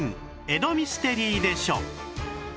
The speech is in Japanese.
江戸ミステリーでしょ！」